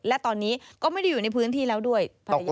และตอนนี้ก็ไม่ได้อยู่ในพื้นที่แล้วด้วยภรรยา